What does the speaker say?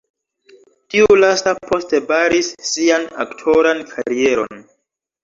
Tiu lasta poste baris sian aktoran karieron.